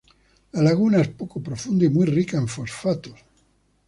La laguna es poco profunda y muy rica en fosfatos.